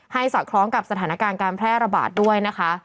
สอดคล้องกับสถานการณ์การแพร่ระบาดด้วยนะคะ